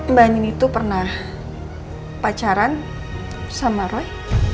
mbak nini itu pernah pacaran sama roy